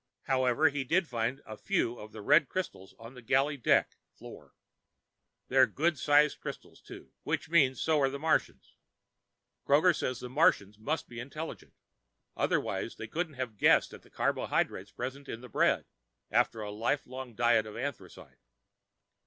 However, he did find a few of the red crystals on the galley deck (floor). They're good sized crystals, too. Which means so are the Martians. Kroger says the Martians must be intelligent, otherwise they couldn't have guessed at the carbohydrates present in the bread after a lifelong diet of anthracite.